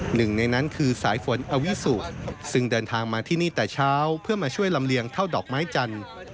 หนึ่งในนั้นคือสายฝนอวิสุซึ่งเดินทางมาที่นี่แต่เช้าเพื่อมาช่วยลำเลียงเท่าดอกไม้จันทร์